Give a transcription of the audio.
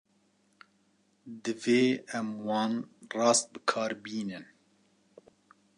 Divê em wan rast bi kar bînin.